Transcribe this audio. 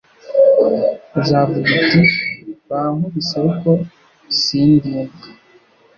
Uzavuga uti «Bankubise ariko sindibwa